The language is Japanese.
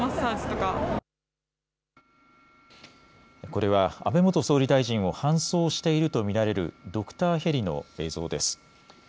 これは安倍元総理大臣を搬送していると見られるドクターヘリの映像です。